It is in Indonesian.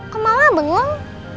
kok mama bengong